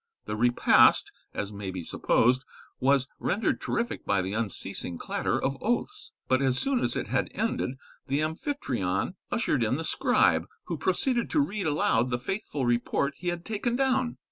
The repast, as may be supposed, was rendered terrific by the unceasing clatter of oaths, but as soon as it had ended, the Amphytrion ushered in the scribe, who proceeded to read aloud the faithful report he had taken down.